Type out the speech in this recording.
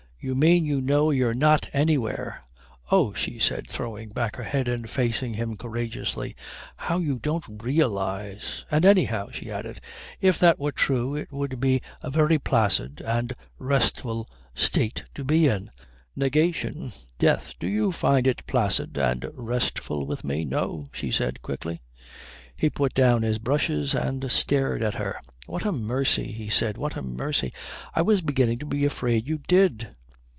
"You mean you know you're not anywhere." "Oh," she said, throwing back her head and facing him courageously, "how you don't realise! And anyhow," she added, "if that were true it would be a very placid and restful state to be in." "Negation. Death. Do you find it placid and restful with me?" "No," she said quickly. He put down his brushes and stared at her. "What a mercy!" he said. "What a mercy! I was beginning to be afraid you did."